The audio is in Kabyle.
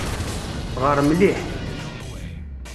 Ɣer mliḥ.